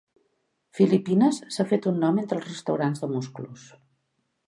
Filipines s'ha fet un nom entre els restaurants de musclos.